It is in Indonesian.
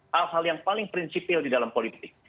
hal hal yang paling prinsipil di dalam politik